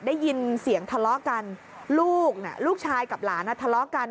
ได้ยินเสียงทะเลาะกันลูกน่ะลูกชายกับหลานอ่ะทะเลาะกัน